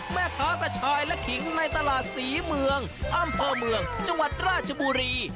แม่ค้ากระชายและขิงในตลาดศรีเมืองอำเภอเมืองจังหวัดราชบุรี